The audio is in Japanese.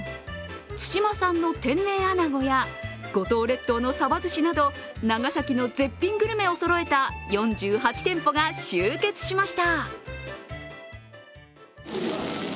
対馬産の天然あなごや五島列島のサバずしなど長崎の絶品グルメをそろえた４８店舗が集結しました。